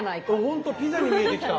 ほんとピザに見えてきた。